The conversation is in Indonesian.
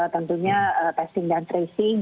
tentunya testing dan tracing